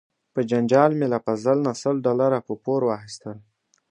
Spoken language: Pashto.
په جنجال مې له فضل نه سل ډالره په پور واخیستل.